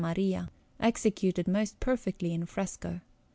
Maria, executed most perfectly in fresco.